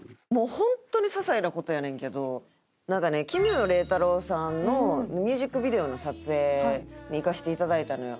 本当にささいな事やねんけどなんかね奇妙礼太郎さんのミュージックビデオの撮影に行かせていただいたのよ。